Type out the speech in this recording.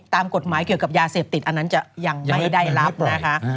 ตามกฎหมายเกี่ยวกับยาเสพติดอันนั้นจะยังไม่ได้รับนะคะ